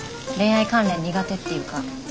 恋愛関連苦手っていうか。